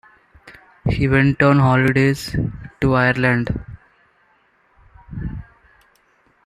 He went on holidays to Ireland.